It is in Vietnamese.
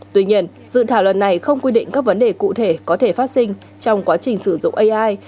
tuy nhiên dự thảo lần này không quy định các vấn đề cụ thể có thể phát sinh trong quá trình sử dụng ai